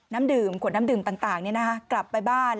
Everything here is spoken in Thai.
น้ำดื่มขวดน้ำดื่มต่างกลับไปบ้าน